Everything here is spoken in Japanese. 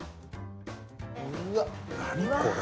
うわっ何これ？